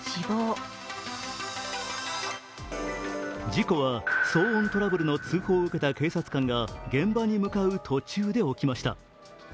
事故は、騒音トラブルの通報を受けた警察官が現場に向かう途中で起きました。